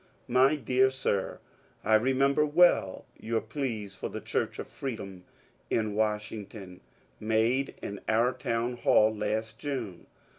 My deab Sm, — I remember well your pleas for the *^ Church of Freedom " in Washington, made in our town hall last June.